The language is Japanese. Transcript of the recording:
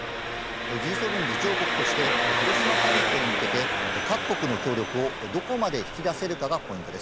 Ｇ７議長国として、広島サミットに向けて、各国の協力をどこまで引き出せるかがポイントです。